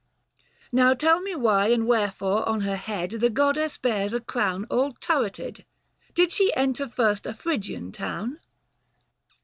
" Now tell me why and wherefore on her head The goddess bears a crown all turretted, 245 Did she enturret first a Phrygian town